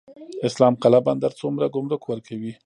اسلام قلعه بندر څومره ګمرک ورکوي؟